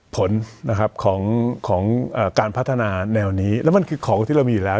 ผลนะครับของการพัฒนาแนวนี้แล้วมันคือของที่เรามีอยู่แล้ว